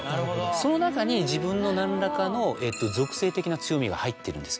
その中に自分の何らかの属性的な強みが入ってるんです。